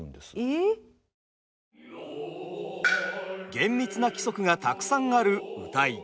厳密な規則がたくさんある謡。